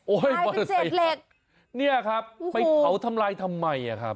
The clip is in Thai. โอ้ยมอเตอร์ไซค์ห้างเนี่ยครับไปเผาทำลายทำไมอะครับ